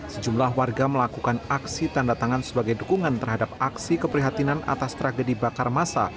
sejumlah warga melakukan aksi tanda tangan sebagai dukungan terhadap aksi keprihatinan atas tragedi bakar masa